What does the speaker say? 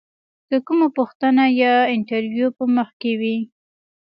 که کومه پوښتنه یا انتریو په مخ کې وي.